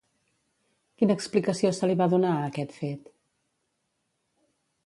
Quina explicació se li va donar a aquest fet?